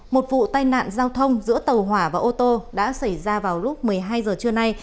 một vụ tai nạn giao thông giữa tàu hỏa và ô tô đã xảy ra vào lúc một mươi hai giờ trưa nay